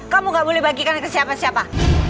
kamu gak boleh bagikan ke siapa siapa